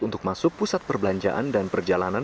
untuk masuk pusat perbelanjaan dan perjalanan